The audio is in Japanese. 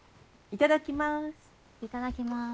いただきます。